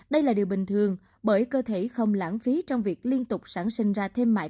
đây là điều bình thường bởi cơ thể không lãng phí trong việc liên tục sản sinh ra thêm mãi